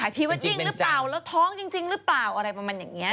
ถ่ายผีว่าจริงหรือเปล่าแล้วท้องจริงหรือเปล่าบางอย่างงี้